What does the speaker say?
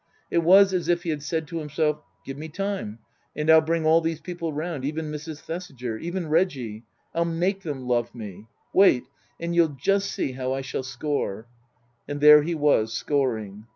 It was as if he had said to himself, " Give me time, and I'll bring all these people round, even Mrs. Thesiger, even Reggie. I'll make them love me. Wait, and you'll just see how I shall score." And there he was scoring.